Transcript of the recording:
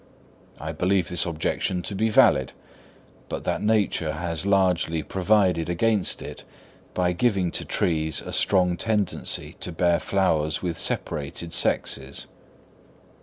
I believe this objection to be valid, but that nature has largely provided against it by giving to trees a strong tendency to bear flowers with separated sexes.